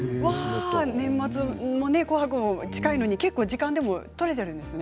年末、「紅白」も近いのに時間は取れているんですね。